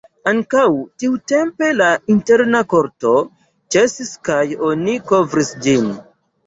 Ankaŭ tiutempe la interna korto ĉesis kaj oni kovris ĝin.